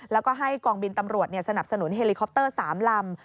แล้วก็ให้กองบินตำรวจสนับสนุนเฮลิคอปเตอร์๓ลำ